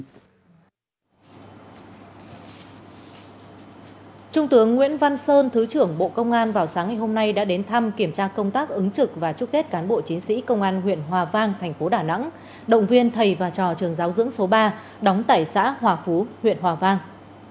trung tướng nguyễn văn sơn thứ trưởng bộ công an vào sáng ngày hôm nay đã đến thăm kiểm tra công tác ứng trực và chúc tết cán bộ chiến sĩ công an huyện hòa vang thành phố đà nẵng động viên thầy và trò trường giáo dưỡng số ba đóng tại xã hòa phú huyện hòa vang